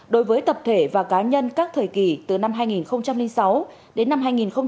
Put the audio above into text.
đối với tập thể và cá nhân các thời kỳ từ năm hai nghìn sáu đến năm hai nghìn một mươi